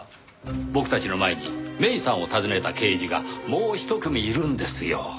僕たちの前に芽依さんを訪ねた刑事がもう一組いるんですよ。